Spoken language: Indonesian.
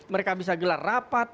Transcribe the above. mereka bisa gelar rapat